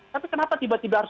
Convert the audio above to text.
tapi kenapa tiba tiba harus